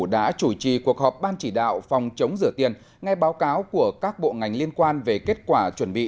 đã chủ trì cuộc họp ban chỉ đạo phòng chống rửa tiền ngay báo cáo của các bộ ngành liên quan về kết quả chuẩn bị